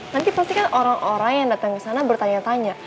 nanti pastikan orang orang yang datang ke sana bertanya tanya